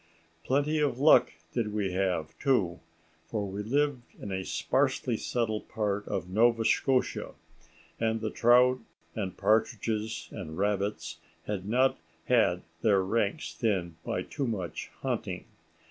Plenty of luck did we have too, for we lived in a sparsely settled part of Nova Scotia, and the trout and partridges and rabbits had not had their ranks thinned by too much hunting.